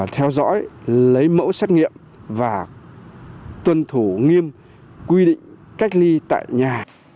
theo dõi lấy mẫu xét nghiệm và tuân thủ nghiêm quy định cách ly tại nhà